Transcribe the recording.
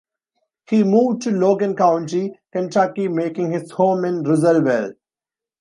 He moved to Logan County, Kentucky, making his home in Russellville.